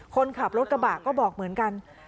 คนขับรถกระบะก็บอกเหมือนกัน